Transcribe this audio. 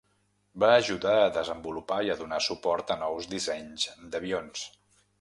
Va ajudar a desenvolupar i a donar suport a nous dissenys d'avions.